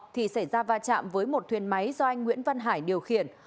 thì xảy ra va chạm với một thuyền máy do anh nguyễn văn hải điều khiển